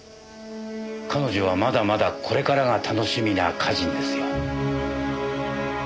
彼女はまだまだこれからが楽しみな歌人ですよ。